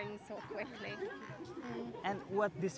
ini adalah pengalaman yang magis